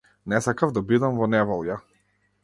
Не сакав да бидам во неволја.